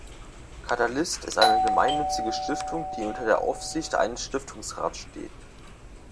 Catalyst ist eine gemeinnützige Stiftung, die unter der Aufsicht eines Stiftungsrats steht.